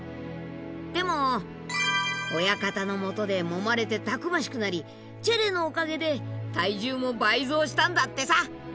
でも親方のもとでもまれてたくましくなりチェレのおかげで体重も倍増したんだってさ。